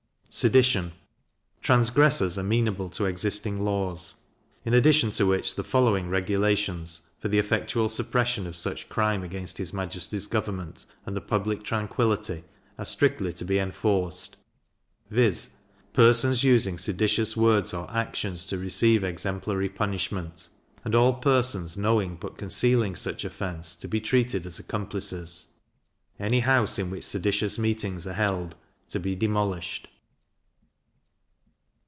Sedition. Transgressors amenable to existing laws; in addition to which the following regulations, for the effectual suppression of such crime against his majesty's government, and the public tranquillity, are strictly to be enforced; viz. Persons using seditious words or actions to receive exemplary punishment; and all persons knowing but concealing such offence, to be treated as accomplices. Any house in which seditious meetings are held, to be demolished.